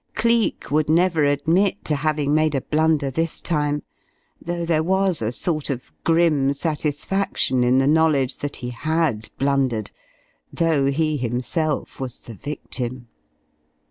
Cleek would never admit to having made a blunder this time though there was a sort of grim satisfaction in the knowledge that he had blundered, though he himself was the victim.